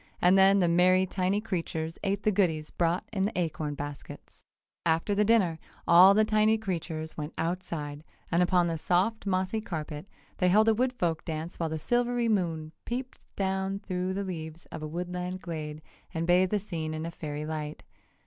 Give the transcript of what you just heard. And then the merry tiny creatures ate the goodies brought in the acorn baskets. After the dinner all the tiny creatures went outside, and upon the soft, mossy carpet they held a wood folk dance while the silvery moon peeped down through the leaves of the woodland glade and bathed the scene in fairy light.